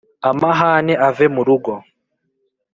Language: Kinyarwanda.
Amahane ave mu rugo